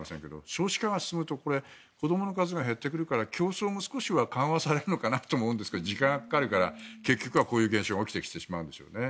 少子化が進むと子どもの数が減ってくるから競争も少しは緩和されるのかなと思うんですが時間がかかるから結局こういうことが起きてしまうんですね。